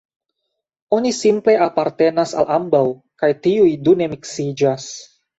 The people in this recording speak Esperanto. Oni simple apartenas al ambaŭ kaj tiuj du ne miksiĝas.